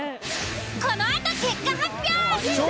このあと結果発表！